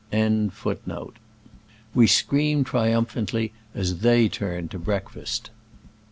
f We screamed triumphantiy as they turned in to breakfast.